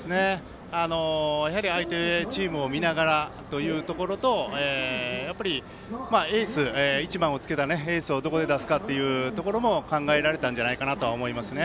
やはり、相手チームを見ながらというところと１番をつけたエースをどこで出すかというところも考えられたんじゃないかと思いますね。